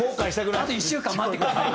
「あと１週間待ってください。